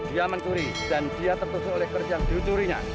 dia mencuri dan dia tertutup oleh kerjaan diucurinya